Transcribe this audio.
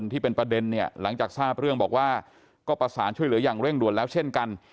ที่เป็นประเด็นเนี่ยหลังจากทราบเรื่องบอกว่าก็ประสานช่วยเหลืออย่างเร่งด่วนแล้วเช่นกัน